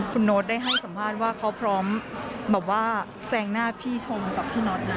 คุณโน๊ตได้ให้สัมภาษณ์ว่าเขาพร้อมแบบว่าแซงหน้าพี่ชมกับพี่โน๊ต